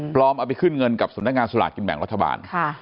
เอาไปขึ้นเงินกับสำนักงานสลากกินแบ่งรัฐบาล